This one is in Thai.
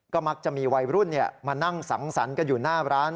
ก็มักจะมีวัยรุ่นมานั่งสังสรรค์กันอยู่หน้าร้าน